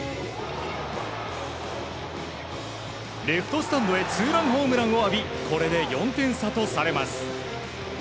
レフトスタンドへツーランホームランを浴びこれで４点差とされます。